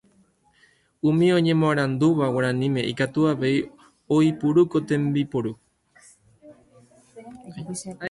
Umi oñemoarandúva guaraníme ikatu avei oiporu ko tembiporu